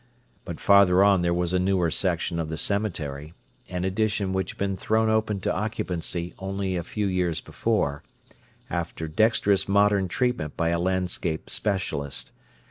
But farther on there was a newer section of the cemetery, an addition which had been thrown open to occupancy only a few years before, after dexterous modern treatment by a landscape specialist.